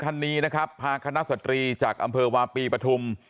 จังหวัดมหาสรคามมาศึกษาดูงานมาพักครั้งคืนที่เข่าค้อเพชรชบูรณ์